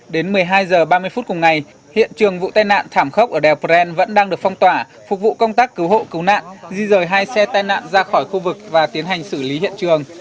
đến một mươi hai h ba mươi phút cùng ngày hiện trường vụ tai nạn thảm khốc ở đèo bren vẫn đang được phong tỏa phục vụ công tác cứu hộ cứu nạn di rời hai xe tai nạn ra khỏi khu vực và tiến hành xử lý hiện trường